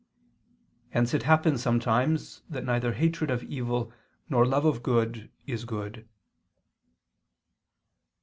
Hence it happens sometimes that neither hatred of evil nor love of good is good.